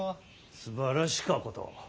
すばらしかこと。